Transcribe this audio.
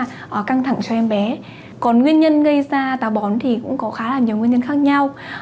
còn nguyên nhân gây ra táo bón thì cũng có khá là nhiều nguyên nhân khác nhau